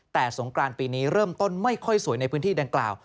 แต่สงกรานปีนี้เริ่มต้นไม่ค่อยสวยในพื้นที่ดังกล่าว